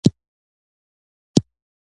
شربت د روژې پر مهال خوږوالی راولي